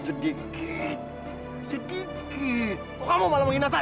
jauhkanlah dia dari bahaya ya allah